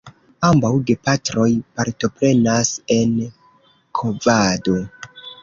Ambaŭ gepatroj partoprenas en kovado.